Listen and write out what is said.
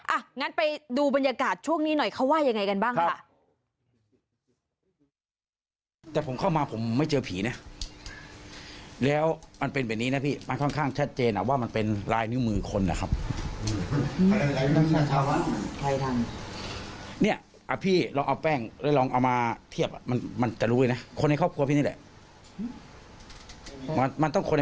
อ่ะงั้นไปดูบรรยากาศช่วงนี้หน่อยเขาว่ายังไงกันบ้างค่ะ